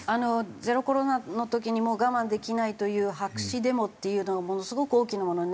ゼロコロナの時にもう我慢できないという白紙デモっていうのがものすごく大きなものになっていて。